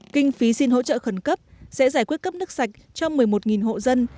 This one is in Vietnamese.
kinh phí xin hỗ trợ khẩn cấp sẽ giải quyết cấp nước sạch cho một mươi một hộ dân